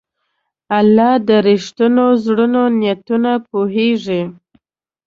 الله د رښتینو زړونو نیتونه پوهېږي.